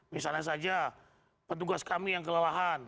misalnya saja petugas kami yang kelelahan